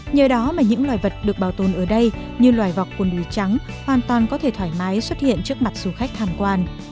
nhờ đó mà những loài vật được bảo tồn ở đây như loài vọc quần đùi trắng hoàn toàn có thể thoải mái xuất hiện trước mặt du khách tham quan